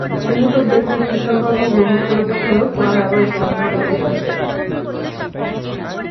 নিহত ব্যক্তি খ্রিষ্টানধর্ম গ্রহণ করে থাকলেও পরে আবার ইসলাম ধর্মে ফিরে আসেন।